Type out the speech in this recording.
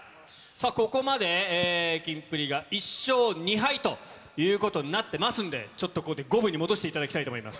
ここまでキンプリが１勝２敗ということになっていますんで、ちょっとここで五分に戻していただきたいと思います。